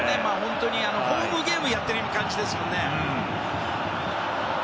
ホームゲームをやっている感じですもんね。